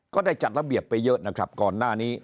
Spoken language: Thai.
ก็ได้จัดระเบียบไปเยอะนะครับก่อนหน้านี้